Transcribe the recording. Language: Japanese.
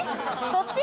そっち？